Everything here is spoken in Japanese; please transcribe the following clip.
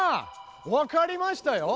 わかりましたよ！